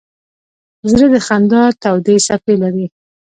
زړه د خندا تودې څپې لري.